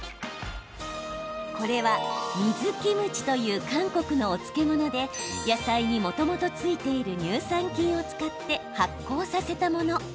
これは水キムチという韓国のお漬物で野菜にもともとついている乳酸菌を使って発酵させたもの。